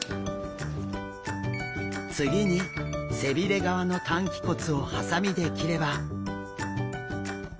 次に背びれ側の担鰭骨をハサミで切れば。